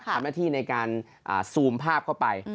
ทำหน้าที่ในการซูมภาพเข้าไป